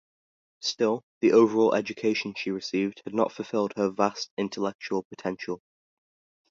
Still, the overall education she received had not fulfilled her vast intellectual potential.